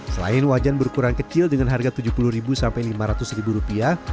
selain wajan berukuran kecil dengan harga tujuh puluh sampai lima ratus rupiah